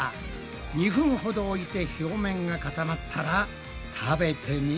２分ほど置いて表面が固まったら食べてみるぞ。